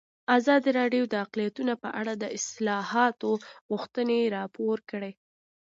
ازادي راډیو د اقلیتونه په اړه د اصلاحاتو غوښتنې راپور کړې.